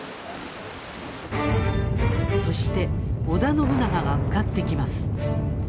そして織田信長が向かってきます。